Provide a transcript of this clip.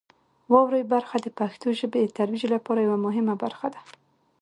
واورئ برخه د پښتو ژبې د ترویج لپاره یوه مهمه برخه ده.